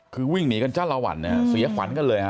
คือวิ่งหนีจังหวัดสวี้และขวัญไปเลย